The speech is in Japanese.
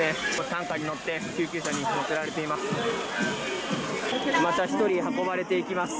担架に乗って、救急車に乗せられています。